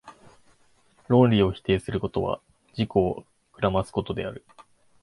論理を否定することは、自己を暗ますことである。